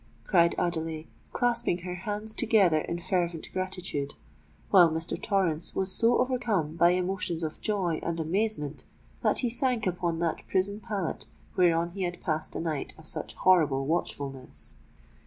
cried Adelais, clasping her hands together in fervent gratitude, while Mr. Torrens was so overcome by emotions of joy and amazement that he sank upon that prison pallet whereon he had passed a night of such horrible watchfulness.